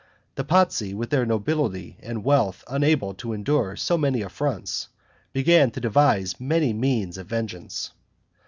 The Pazzi, with their nobility and wealth unable to endure so many affronts, began to devise some means of vengeance.